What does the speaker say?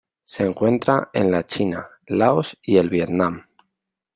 Se encuentra en la China, Laos y el Vietnam.